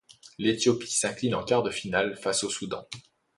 L'Éthiopie s'incline en quart de finale face au Soudan.